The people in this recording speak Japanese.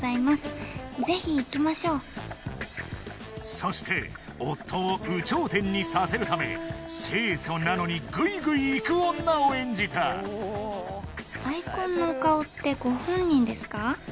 そして夫を有頂天にさせるため清楚なのにグイグイいく女を演じた「アイコンのお顔ってご本人ですか？」